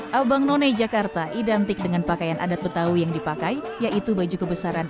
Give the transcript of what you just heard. hai abang none jakarta identik dengan pakaian adat betawi yang dipakai yaitu baju kebesaran